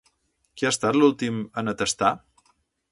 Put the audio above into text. Qui ha estat l'últim en atestar?